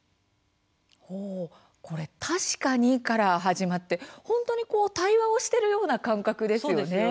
確かに、から始まって本当に対話をしているような感覚ですよね。